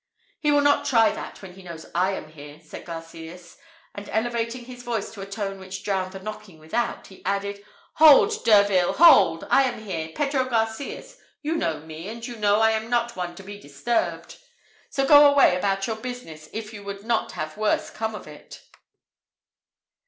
"He will not try that when he knows I am here," said Garcias; and elevating his voice to a tone that drowned the knocking without, he added, "Hold! Derville, hold! I am here, Pedro Garcias: you know me, and you know I am not one to be disturbed; so go away about your business, if you would not have worse come of it.